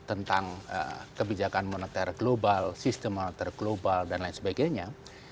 tentang kebijakan moneter global sistem moneter global dan lain sebagainya